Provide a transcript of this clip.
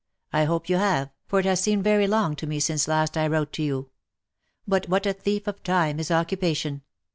I hope you have, for it has seemed very long to me since last I wrote to you. But what a thief of time is occupation